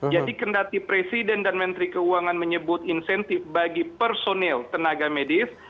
jadi kendati presiden dan menteri keuangan menyebut insentif bagi personil tenaga medis